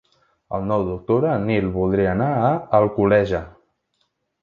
El nou d'octubre en Nil voldria anar a Alcoleja.